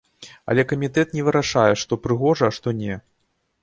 Але камітэт не вырашае, што прыгожа, а што не.